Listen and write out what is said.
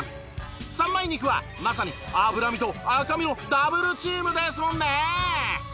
三枚肉はまさに脂身と赤身のダブルチームですもんね！